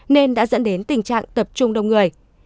nên đã dẫn đến tình trạng tập trung đông người